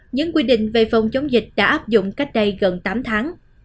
những quy định về phòng chống dịch đã áp dụng cách đây gần tám tháng